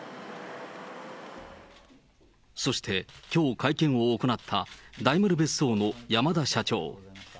そして、きょう会見を行った、大丸別荘の山田社長。